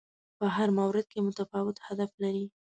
په هر مورد کې متفاوت هدف لري